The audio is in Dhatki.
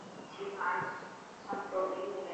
مڇي کاڻ سان پروٽين ملي ٿي.